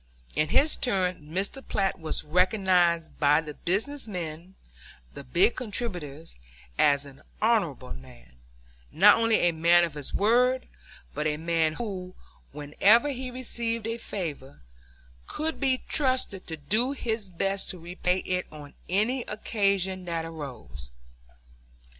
In his turn Mr. Platt was recognized by the business men, the big contributors, as an honorable man; not only a man of his word, but a man who, whenever he received a favor, could be trusted to do his best to repay it on any occasion that arose.